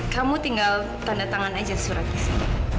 kamu tinggal tanda tangan aja suratnya